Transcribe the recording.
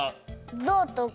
ゾウとか。